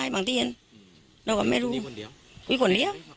วันนี้เว้นเดียว